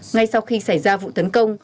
ngay sau khi xảy ra vụ tấn công